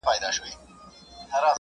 خپل ځان ته هدف وټاکئ.